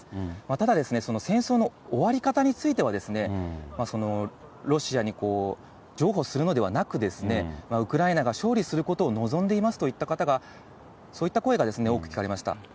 ただ、戦争の終わり方については、ロシアに譲歩するのではなく、ウクライナが勝利することを望んでいますといった方が、そういった声が多く聞かれました。